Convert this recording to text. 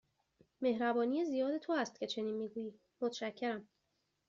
مهربانی زیاد تو است که چنین می گویی، متشکرم.